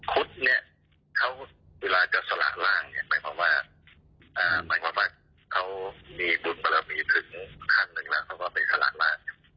ครุฑนี้เขาเวลาจะสละลางหมายความว่าเขามีพุทธประบีถึงฮันได้ไหมคะเขาก็ไปสละลาง